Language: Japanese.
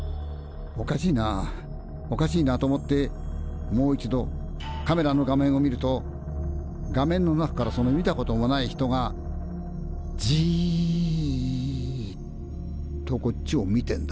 「おかしいなおかしいな」と思ってもう一度カメラの画面を見ると画面の中からその見たこともない人がじっとこっちを見てんだ。